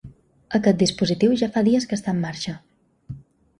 Aquest dispositiu ja fa dies que està en marxa.